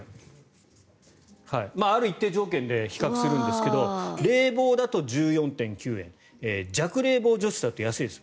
ある一定条件で比較するんですが冷房だと１４．９円弱冷房除湿だと安いです